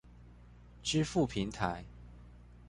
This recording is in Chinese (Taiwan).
支付平台